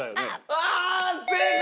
ああ正解！